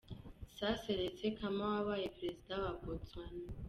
Sir Seretse Khama wabaye Perezida wa Botswana.